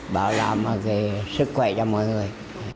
bảo đảm và cái sức khỏe cho mọi người